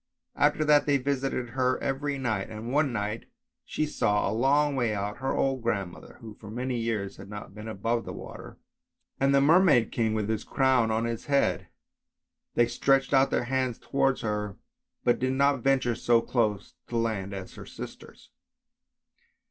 After that they visited her every night, and one night she saw, a long way out, her old grandmother (who for many years had not been above the water), and the Merman King with his crown on his head; they stretched out their hands towards her, but did not venture so close to land as her sisters.